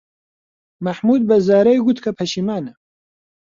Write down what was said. مەحموود بە زارای گوت کە پەشیمانە.